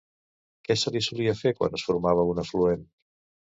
Què se solia fer quan es formava un afluent?